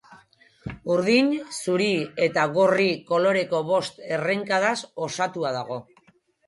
Urdin, zuri eta gorri koloreko bost errenkadaz osatua dago.